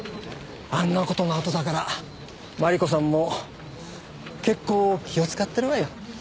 あんな事のあとだから万里子さんも結構気を使ってるわよ。